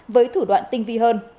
với thủ đoạn tinh vi hơn